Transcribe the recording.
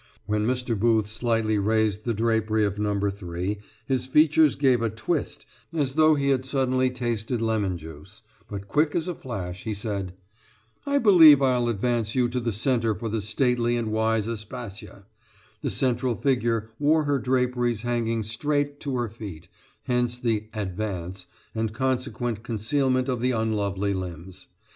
When Mr. Booth slightly raised the drapery of No. 3 his features gave a twist as though he had suddenly tasted lemon juice, but quick as a flash he said: "I believe I'11 advance you to the centre for the stately and wise Aspasia" the central figure wore her draperies hanging straight to her feet, hence the "advance" and consequent concealment of the unlovely limbs.